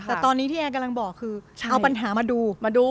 แต่ตอนนี้ที่แอร์กำลังบอกคือเอาปัญหามาดูมาดู